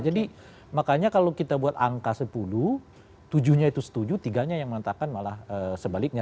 jadi makanya kalau kita buat angka sepuluh tujuh nya itu setuju tiga nya yang menentangkan malah sebaliknya